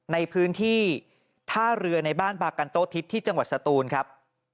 ในพื้นที่ท่าเรือในบ้านบากันโต๊ทิศที่จังหวัดสตูนครับ